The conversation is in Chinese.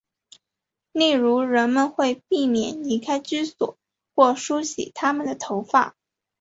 例如人们会避免离开居所或梳洗他们的头发。